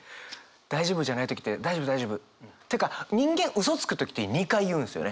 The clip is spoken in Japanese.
大丈夫じゃない時って「大丈夫大丈夫」。ってか人間うそつく時って２回言うんですよね。